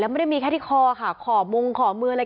ไม่ได้มีแค่ที่คอค่ะขอมุงขอมืออะไร